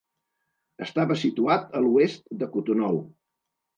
Estava situat a l'oest de Cotonou.